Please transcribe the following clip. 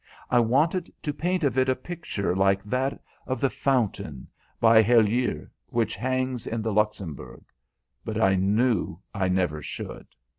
I wanted to paint of it a picture like that of the fountain, by Helleu, which hangs in the Luxembourg. But I knew I never should.